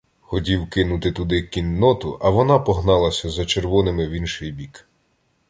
Хотів кинути туди кінноту, а вона погналася за червоними в інший бік.